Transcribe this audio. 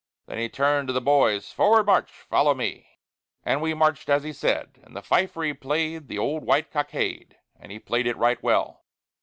Then he turned to the boys, "Forward, march! Follow me." And we marched as he said, and the Fifer he played The old "White Cockade," and he played it right well.